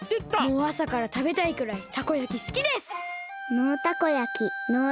もうあさからたべたいくらいたこ焼きすきです！